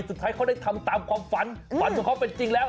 สุดท้ายเขาได้ทำตามความฝันฝันของเขาเป็นจริงแล้ว